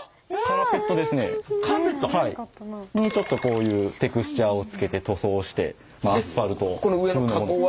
カーペット？にちょっとこういうテクスチャーをつけて塗装してまあアスファルト風のものを。